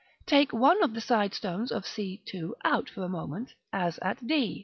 Take one of the side stones of c2 out for a moment, as at d.